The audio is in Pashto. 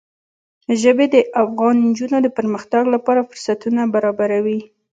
ژبې د افغان نجونو د پرمختګ لپاره فرصتونه برابروي.